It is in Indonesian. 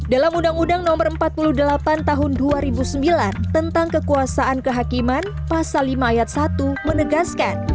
dalam undang undang no empat puluh delapan tahun dua ribu sembilan tentang kekuasaan kehakiman pasal lima ayat satu menegaskan